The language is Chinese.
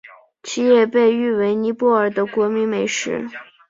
其也被誉为尼泊尔的国民美食。